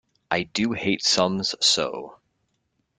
I do hate sums so!